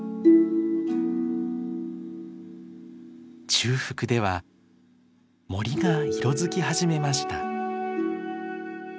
中腹では森が色づき始めました。